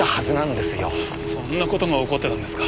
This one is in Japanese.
そんな事が起こってたんですか。